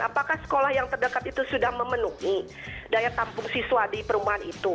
apakah sekolah yang terdekat itu sudah memenuhi daya tampung siswa di perumahan itu